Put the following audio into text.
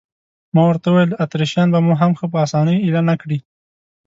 ما ورته وویل: اتریشیان به مو هم ښه په اسانۍ اېله نه کړي.